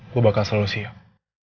gue bakal selalu siap